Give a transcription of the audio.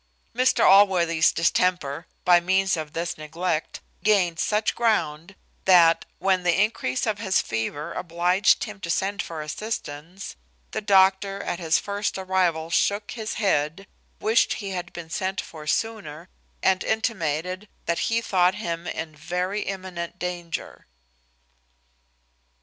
Mr Allworthy's distemper, by means of this neglect, gained such ground, that, when the increase of his fever obliged him to send for assistance, the doctor at his first arrival shook his head, wished he had been sent for sooner, and intimated that he thought him in very imminent danger.